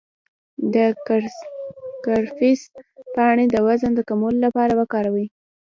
د کرفس پاڼې د وزن د کمولو لپاره وکاروئ